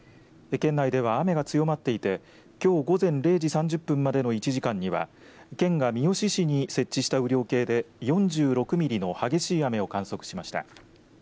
県内では雨が強まっていてきょう午前０時３０分までの１時間には県が三好市に設置した雨量計で４６ミリの激しい雨を観測しました。